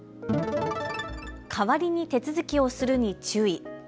代わりに手続きをするに注意。